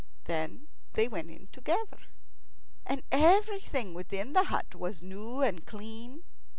Then they went in together. And everything within the hut was new and clean.